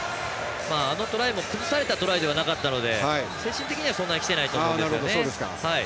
あのトライも崩されたトライではなかったので精神的にはそんなにきてないと思うんですね。